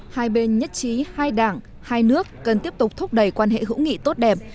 hai bên nhất trí hai đảng hai nước cần tiếp tục thúc đẩy quan hệ hữu nghị tốt đẹp